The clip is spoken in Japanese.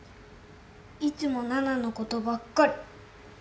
いつもナナのことばっかり。